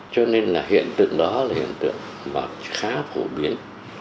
cho nên là hiện tượng đó là hiện tượng khá phổ biến